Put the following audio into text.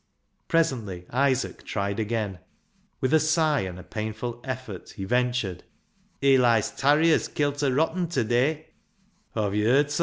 Presently Isaac tried again. With a sigh, and a painful effort, he ventured —" Eli's tarrier's kilt a rotten [rat] ta day," " Aw've yerd sa."